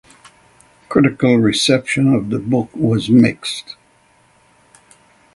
Critical reception of the book was mixed.